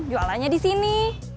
jualannya di sini